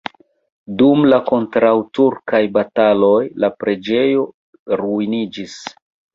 Dum la kontraŭturkaj bataloj la preĝejo ruiniĝis.